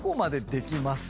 ⁉できます。